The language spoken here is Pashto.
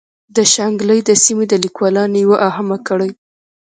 د شانګلې د سيمې د ليکوالانو يوه اهمه کړۍ